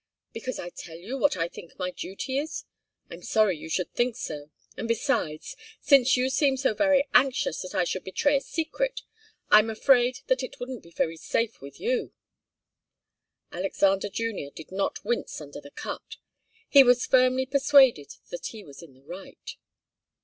"Because I tell you what I think my duty is? I'm sorry you should think so. And besides, since you seem so very anxious that I should betray a secret, I'm afraid that it wouldn't be very safe with you." Alexander Junior did not wince under the cut. He was firmly persuaded that he was in the right.